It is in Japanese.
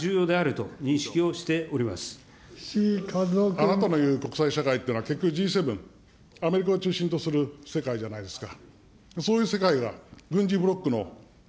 あなたのいう国際社会というのは結局Ｇ７、アメリカを中心とする世界じゃないですか。